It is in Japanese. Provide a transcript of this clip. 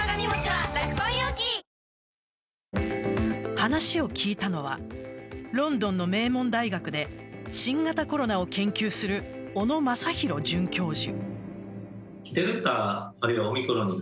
話を聞いたのはロンドンの名門大学で新型コロナを研究する小野昌弘准教授。